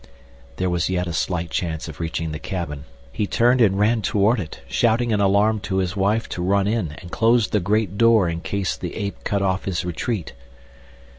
There was yet a slight chance of reaching the cabin. He turned and ran toward it, shouting an alarm to his wife to run in and close the great door in case the ape cut off his retreat.